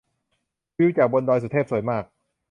วิวจากบนดอยสุเทพสวยมาก